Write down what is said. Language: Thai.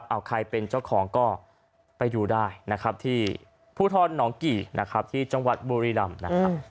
เอาใครเป็นเจ้าของก็ไปอยู่ได้ภูทรหนองกี่ที่จังหวัดบุรีรัมน์